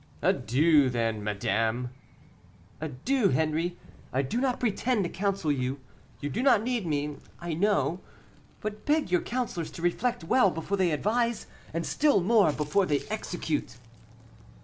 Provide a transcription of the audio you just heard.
"Adieu, then, madame!" "Adieu, Henri! I do not pretend to counsel you you do not need me, I know but beg your counselors to reflect well before they advise, and still more before they execute."